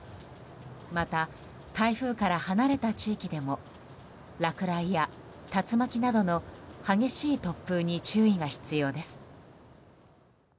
また、台風から離れた地域でも落雷や竜巻などの激しい突風に注意が必要です。